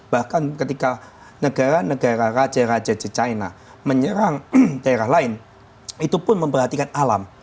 bahkan ketika negara negara raja raja china menyerang daerah lain itu pun memperhatikan alam